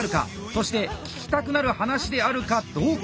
そして「聞きたくなる話であるかどうか」。